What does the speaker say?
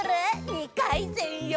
２かいせんよ！